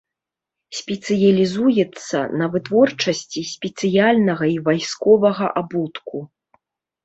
Спецыялізуецца на вытворчасці спецыяльнага і вайсковага абутку.